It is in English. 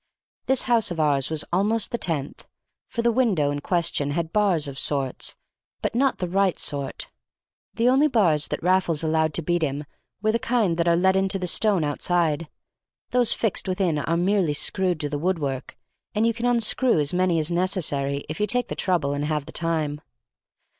This house of ours was almost the tenth, for the window in question had bars of sorts, but not the right sort. The only bars that Raffles allowed to beat him were the kind that are let into the stone outside; those fixed within are merely screwed to the woodwork, and you can unscrew as many as necessary if you take the trouble and have the time.